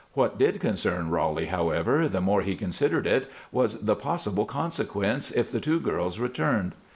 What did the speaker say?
What did concern Roly, however, the more he considered it, was the possible consequence if the two girls returned.